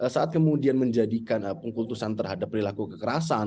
saat kemudian menjadikan pengkultusan terhadap perilaku kekerasan